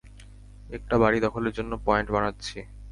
একটা বাড়ি দখলের জন্য, পয়েন্ট বানাচ্ছি।